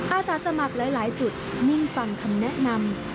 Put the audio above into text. อาสาสมัครหลายจุดนิ่งฟังคำแนะนำ